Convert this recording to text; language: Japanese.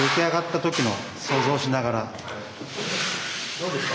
どうですか？